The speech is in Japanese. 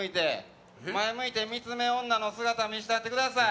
前向いて三つ目女の姿見せてやってください。